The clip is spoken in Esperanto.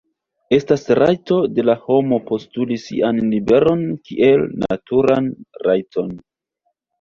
Estas rajto de la homo postuli sian liberon kiel naturan rajton.